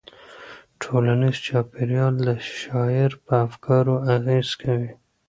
ټولنیز چاپیریال د شاعر په افکارو اغېز کوي.